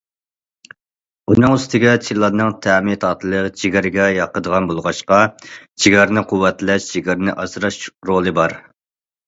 ئۇنىڭ ئۈستىگە چىلاننىڭ تەمى تاتلىق، جىگەرگە ياقىدىغان بولغاچقا، جىگەرنى قۇۋۋەتلەش، جىگەرنى ئاسراش رولى بار.